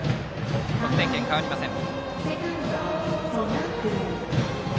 得点圏変わりません。